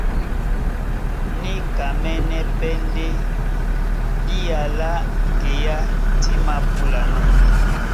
Níkamɛ́nɛ́ pɛ́ ndé bía lá ŋgeá dí māpúlanɔ́.